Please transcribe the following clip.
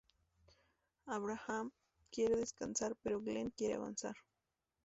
Abraham quiere descansar, pero Glenn quiere avanzar.